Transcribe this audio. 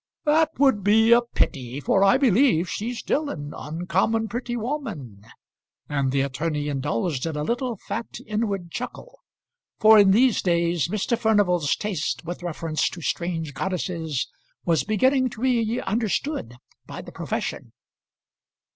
"That would be a pity, for I believe she's still an uncommon pretty woman." And the attorney indulged in a little fat inward chuckle; for in these days Mr. Furnival's taste with reference to strange goddesses was beginning to be understood by the profession.